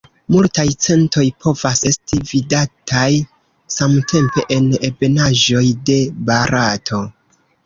Multaj centoj povas esti vidataj samtempe en ebenaĵoj de Barato.